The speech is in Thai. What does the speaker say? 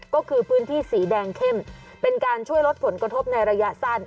ก็คือพื้นที่สีแดงเข้มเป็นการช่วยลดผลกระทบในระยะสั้น